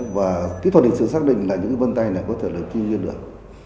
và kỹ thuật lịch sử xác định là những cái vân tay này có thể là tìm ra được